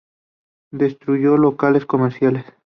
Destruyó locales comerciales.